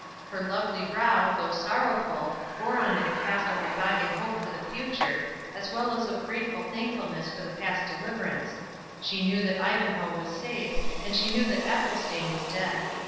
Her lovely brow, though sorrowful, bore on it a cast of reviving hope for the future, as well as of grateful thankfulness for the past deliverance—She knew that Ivanhoe was safe, and she knew that Athelstane was dead.